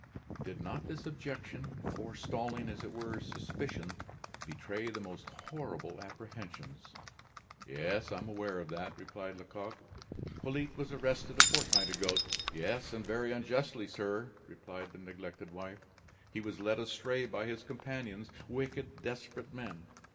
Did not this objection, forestalling, as it were, suspicion, betray the most horrible apprehensions? "Yes, I am aware of that," replied Lecoq. "Polyte was arrested a fortnight ago " "Yes, and very unjustly, sir," replied the neglected wife. "He was led astray by his companions, wicked, desperate men.